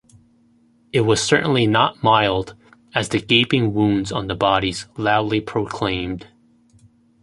It was certainly not mild as the gaping wounds on the bodies loudly proclaimed.